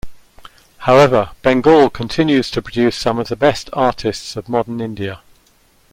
However, Bengal continues to produce some of the best artists of modern India.